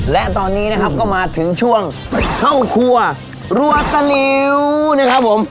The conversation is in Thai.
และตอนนี้นะครับก็มาถึงช่วงเข้าครัวรัวตะลิวนะครับผม